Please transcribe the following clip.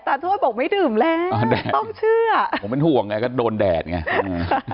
ทวดบอกไม่ดื่มแล้วแดดต้องเชื่อผมเป็นห่วงไงก็โดนแดดไง